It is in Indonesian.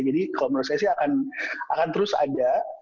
jadi kalau menurut saya sih akan terus ada